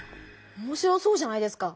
おもしろそうじゃないですか。